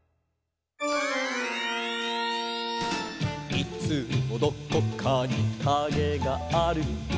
「いつもどこかにカゲがある」